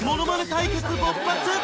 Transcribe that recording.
対決勃発！